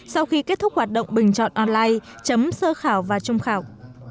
sau khi kết thúc hoạt động bình chọn online chấm sơ khảo và trung khảo